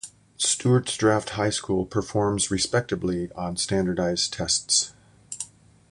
Stuarts Draft High School performs respectably on standardized tests.